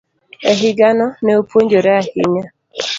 e higano, ne opuonjore ahinya.